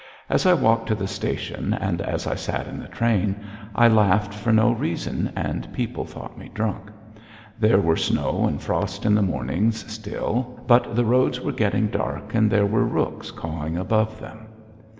As I walked to the station, and as I sat in the train, I laughed for no reason and people thought me drunk. There were snow and frost in the mornings still, but the roads were getting dark, and there were rooks cawing above them.